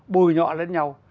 bồi nhọ lẫn nhau